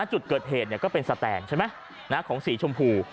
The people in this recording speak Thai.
จุดเกิดเหตุก็เป็นสแตงใช่ไหมของสีชมพู